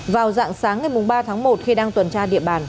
vào dạng sáng ngày ba tháng một khi đang tuần tra địa bàn